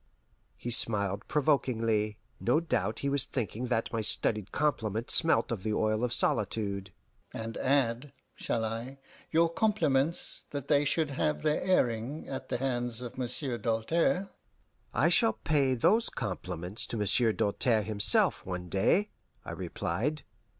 He smiled provokingly; no doubt he was thinking that my studied compliment smelt of the oil of solitude. "And add shall I your compliments that they should have their airing at the hands of Monsieur Doltaire?" "I shall pay those compliments to Monsieur Doltaire himself one day," I replied.